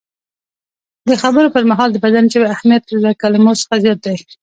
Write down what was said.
د خبرو پر مهال د بدن ژبې اهمیت له کلمو څخه زیات دی.